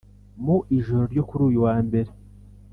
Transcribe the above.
Mu ijoro ryo kuri uyu wa Mbere